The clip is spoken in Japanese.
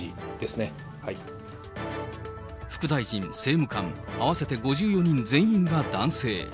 副大臣、政務官合わせて５４人全員が男性。